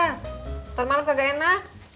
ntar malam kagak enak